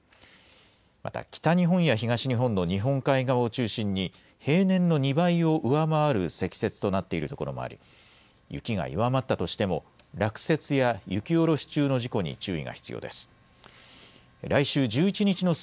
また、北日本や東日本の日本海側を中心に、平年の２倍を上回る積雪となっている所もあり、雪が弱まったとしても、落雪や雪下ろし中の事故に注意が必要です。